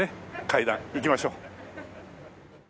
階段行きましょう。